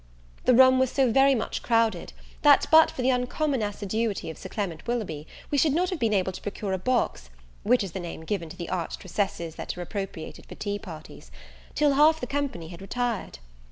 The room was so very much crowded, that but for the uncommon assiduity of Sir Clement Willoughby, we should not have been able to procure a box (which is the name given to the arched recesses that are appropriated for tea parties) till half the company had retired.